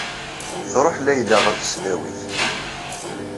Truḥ Layla ɣer tesdawit.